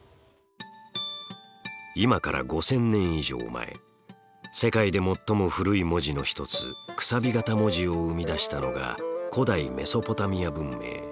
今から５，０００年以上前世界で最も古い文字の一つ楔形文字を生み出したのが古代メソポタミア文明。